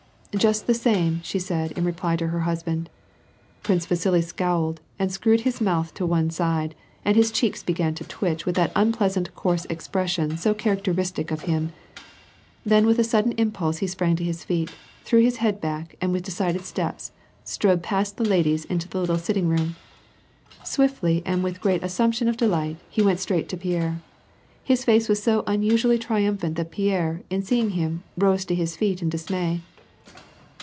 "Just the same," she said, in reply to her husband. Prince Vasili scowled, and screwed his mouth to one side, and his cheeks began to twitch with that unpleasant coarse expression so characteristic of him; then with a sudden impulse he sprang to his feet, threw his head back, and with decid^^d steps, strode past the ladies into the little sitting room. iSwiftly, and with a great assumption oT delight he went straight up to Pierre. His face was so unusually triumphant that Pierre, in seeing him, rose to his feet in dismay.